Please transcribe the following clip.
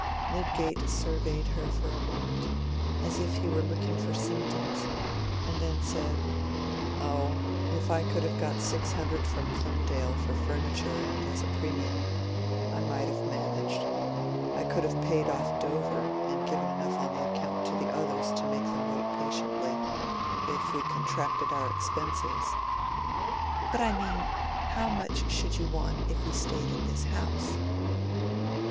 Lydgate surveyed her for a moment, as if he were looking for symptoms, and then said, "Oh, if I could have got six hundred from Plymdale for furniture and as premium, I might have managed. I could have paid off Dover, and given enough on account to the others to make them wait patiently, if we contracted our expenses." "But I mean how much should you want if we stayed in this house?"